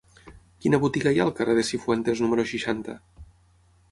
Quina botiga hi ha al carrer de Cifuentes número seixanta?